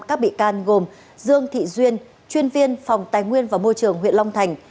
các bị can gồm dương thị duyên chuyên viên phòng tài nguyên và môi trường huyện long thành